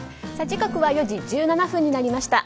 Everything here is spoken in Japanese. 時刻は４時１７分になりました。